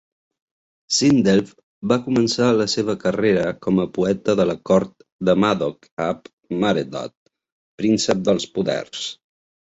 Cynddelw va començar la seva carrera com a poeta de la cort de Madog ap Maredudd, príncep dels poders.